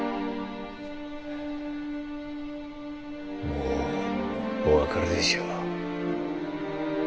もうお分かりでしょう。